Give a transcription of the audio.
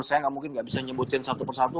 saya nggak mungkin nggak bisa nyebutin satu persatu